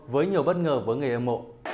với nhiều bất ngờ với người âm mộ